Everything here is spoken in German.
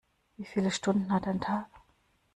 Wie viele Stunden hat ein Tag?